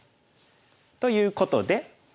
ということで。